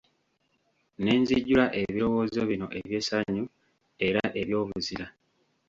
Ne nzijula ebirowoozo bino eby'essanyu era eby'obuzira.